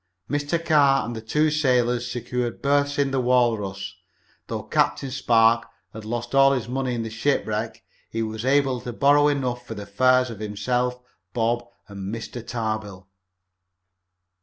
Mr. Carr and the two sailors secured berths in the Walrus. Though Captain Spark had lost all his money in the shipwreck, he was able to borrow enough for the fares of himself, Bob and Mr. Tarbill.